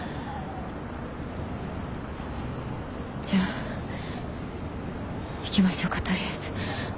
じゃあ行きましょうかとりあえず。